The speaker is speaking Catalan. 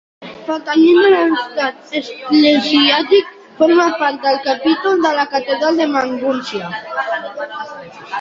Pertanyent a l'estat eclesiàstic, formà part del Capítol de la Catedral de Magúncia.